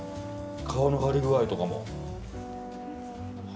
革の張り具合とかも。